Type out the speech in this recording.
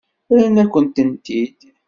Rran-akent-t-id.